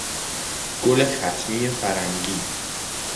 گل خطمی فرنگی